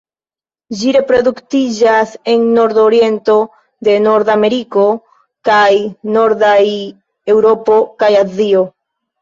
Ĝi reproduktiĝas en nordoriento de Norda Ameriko, kaj nordaj Eŭropo kaj Azio.